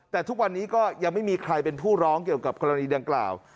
แต่ทุกวันนี้ก็ยังไม่มีใครเป็นผู้ร้องเกี่ยวกับกรณีดังกล่าว